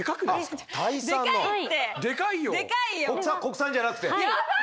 国産国産じゃなくて？